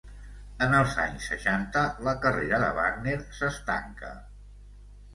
En els anys seixanta la carrera de Wagner s'estanca.